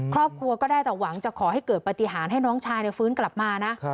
ครอบครัวก็ได้แต่หวังจะขอให้เกิดปฏิหารให้น้องชายฟื้นกลับมานะ